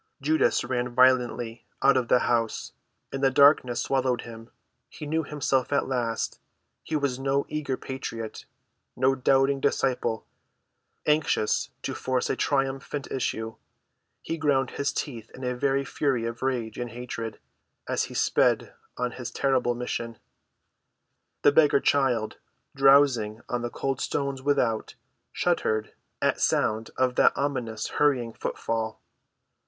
Judas ran violently out of the house, and the darkness swallowed him. He knew himself at last. He was no eager patriot, no doubting disciple, anxious to force a triumphant issue. He ground his teeth in a very fury of rage and hatred, as he sped on his terrible mission. The beggar child, drowsing on the cold stones without, shuddered at sound of that ominous, hurrying footfall.